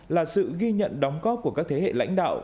là sự ghi nhận đóng góp của các thế hệ lãnh đạo